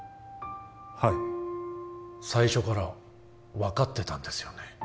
はい最初から分かってたんですよね